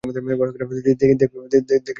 দেখি তাকে কতটা ভালবাসো।